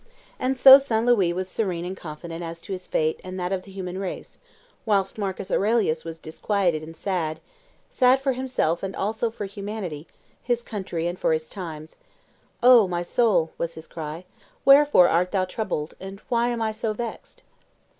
And so Saint Louis was serene and confident as to his fate and that of the human race, whilst Marcus Aurelius was disquieted and sad sad for himself and also for humanity, for his country and for his times: "O, my sole," was his cry, "wherefore art thou troubled, and why am I so vexed?"